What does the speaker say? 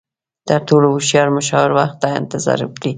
تر ټولو هوښیار مشاور، وخت ته انتظار وکړئ.